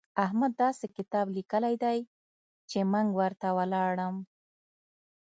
احمد داسې کتاب ليکلی دی چې منګ ورته ولاړم.